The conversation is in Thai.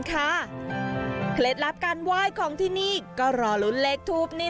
เครตรัพย์การวายของที่นี่ก็รอรุ้นเล็กทูพนี่